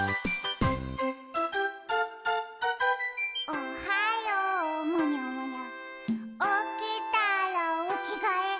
「おはようむにゃむにゃおきたらおきがえ」